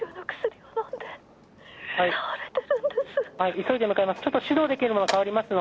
はい急いで向かいます。